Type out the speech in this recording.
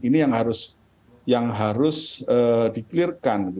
ini yang harus di clear kan